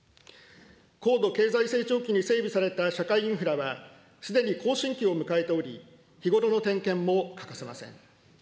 高度経済成長期に整備された社会インフラは、すでに更新期を迎えており、日頃の点検も欠かせません。